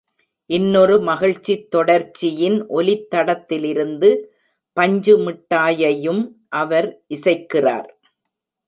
"இன்னொரு மகிழ்ச்சித் தொடர்ச்சி"யின் ஒலித்தடத்திலிருந்து "பஞ்சுமிட்டாயை"யும் அவர் இசைக்கிறார்.